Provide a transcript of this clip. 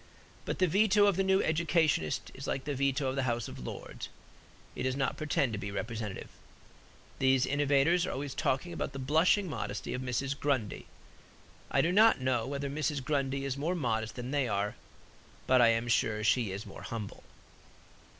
But the veto of the new educationist is like the veto of the House of Lords; it does not pretend to be representative. These innovators are always talking about the blushing modesty of Mrs. Grundy. I do not know whether Mrs. Grundy is more modest than they are; but I am sure she is more humble.